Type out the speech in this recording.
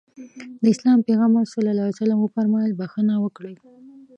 د اسلام پيغمبر ص وفرمايل بښنه وکړئ.